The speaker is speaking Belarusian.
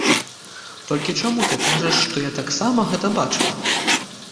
Толькі чаму ты кажаш, што я таксама гэта бачыла?